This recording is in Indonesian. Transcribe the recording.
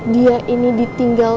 dia ini ditinggal